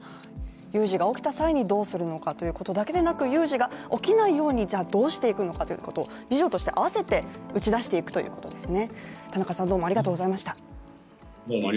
有事が起きた際にどうするのかということだけでなく、有事が起きないようにどうしていくのかを、ビジョンとして併せて打ち出していくということですね。